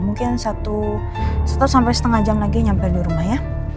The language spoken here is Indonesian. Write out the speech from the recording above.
mungkin satu sampai setengah jam lagi nyampe di rumah ya